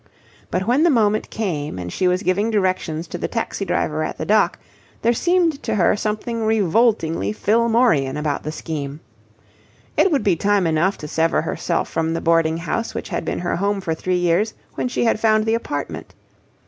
But when the moment came and she was giving directions to the taxi driver at the dock, there seemed to her something revoltingly Fillmorian about the scheme. It would be time enough to sever herself from the boarding house which had been her home for three years when she had found the apartment.